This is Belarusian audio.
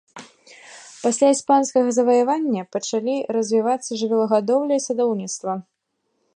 Пасля іспанскага заваявання пачалі развівацца жывёлагадоўля і садоўніцтва.